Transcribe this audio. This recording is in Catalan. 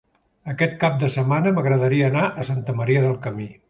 Aquest cap de setmana m'agradaria anar a Santa Maria del Camí.